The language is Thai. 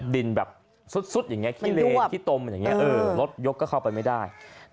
ดินแบบซุดคิ่นเลคิตมยกก็เข้าไปไม่ได้